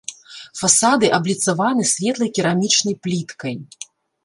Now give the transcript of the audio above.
Фасады абліцаваны светлай керамічнай пліткай.